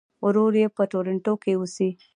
ورور یې په ټورنټو کې اوسي.